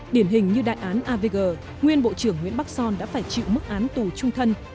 điển hình như đại án avg nguyên bộ trưởng nguyễn bắc son đã phải chịu mức án tù trung thân